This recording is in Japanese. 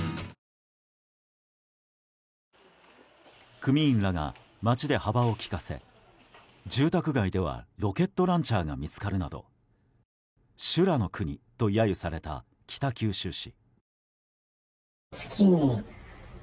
組員らが街で幅を利かせ住宅街ではロケットランチャーが見つかるなど修羅の国と揶揄された北九州市。